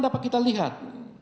dapat kita lihat